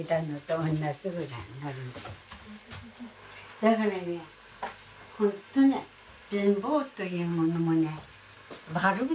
だからねほんとに貧乏というものもね悪くないのよ。